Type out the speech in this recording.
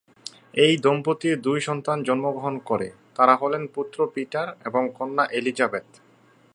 এই দম্পতির দুই সন্তান জন্মগ্রহণ করে, তারা হলেন পুত্র পিটার এবং কন্যা এলিজাবেথ।